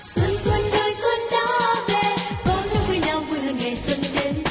xuân xuân đời xuân đã về có nỗi vui nào vui lòng ngày xuân đến